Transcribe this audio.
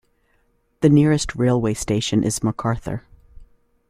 The nearest railway station is Macarthur.